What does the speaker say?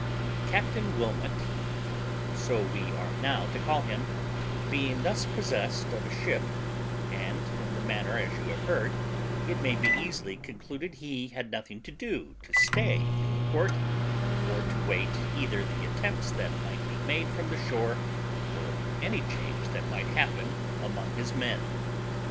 Captain Wilmot (for so we are now to call him) being thus possessed of a ship, and in the manner as you have heard, it may be easily concluded he had nothing to do to stay in the port, or to wait either the attempts that might be made from the shore, or any change that might happen among his men.